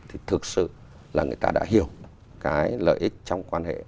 thì thực sự là người ta đã hiểu cái lợi ích trong quan hệ